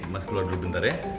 mas keluar dulu bentar ya